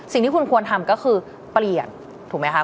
สิ่งที่คุณควรทำก็คือเปลี่ยนถูกไหมคะ